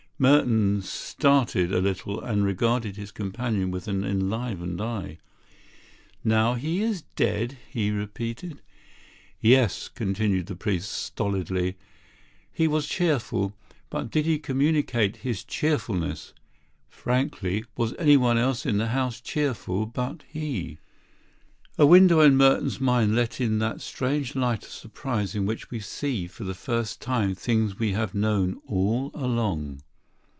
Merton started a little and regarded his companion with an enlivened eye. "Now he is dead?" he repeated. "Yes," continued the priest stolidly, "he was cheerful. But did he communicate his cheerfulness? Frankly, was anyone else in the house cheerful but he?" A window in Merton's mind let in that strange light of surprise in which we see for the first time things we have known all along.